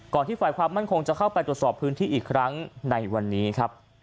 ที่ฝ่ายความมั่นคงจะเข้าไปตรวจสอบพื้นที่อีกครั้งในวันนี้ครับ